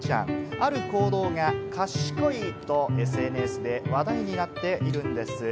ある行動が賢いとＳＮＳで話題になっているんです。